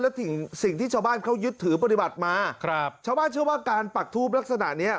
และสิ่งสิ่งที่ชาวบ้านเขายึดถือปฏิบัติมาครับชาวบ้านเชื่อว่าการปักทูปลักษณะเนี้ย